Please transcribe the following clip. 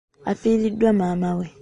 Afiiriddwa maama we.